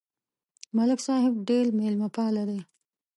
ملک صاحب ډېر مېلمهپاله دی.